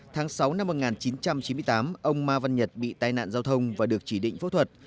tháng sáu năm một nghìn chín trăm chín mươi tám ông ma văn nhật bị tai nạn giao thông và được chỉ định phẫu thuật